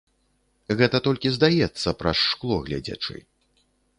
Гэта толькі здаецца, праз шкло гледзячы.